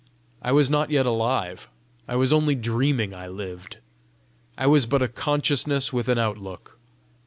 I was not yet alive; I was only dreaming I lived! I was but a consciousness with an outlook!